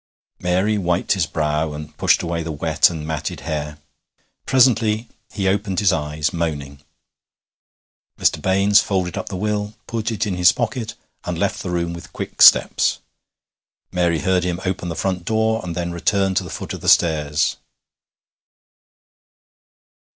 Mary wiped his brow, and pushed away the wet and matted hair. Presently he opened his eyes, moaning. Mr. Baines folded up the will, put it in his pocket, and left the room with quick steps. Mary heard him open the front door and then return to the foot of the stairs.